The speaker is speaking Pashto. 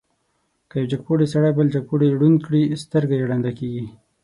که یو جګپوړی سړی بل جګپوړی ړوند کړي، سترګه یې ړنده کېږي.